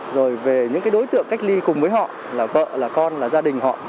rồi về những cái đối tượng cách ly cùng với họ là vợ là con là gia đình họ